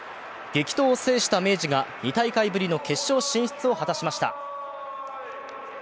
激闘を制した明治が２大会ぶりの決勝進出を果たしました。